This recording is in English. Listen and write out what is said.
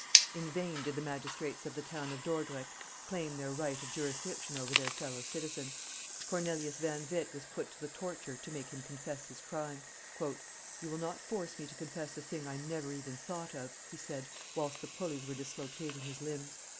In vain did the magistrates of the town of Dordrecht claim their right of jurisdiction over their fellow citizen. Cornelius van Witt was put to the torture to make him confess his crime. 'You will not force me to confess a thing I never even thought of," he said, whilst the pulleys were dislocating his limbs.